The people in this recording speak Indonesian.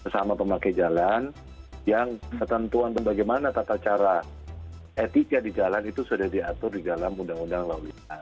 sama pemakai jalan yang ketentuan bagaimana tata cara etika di jalan itu sudah diatur di dalam undang undang lalu lintas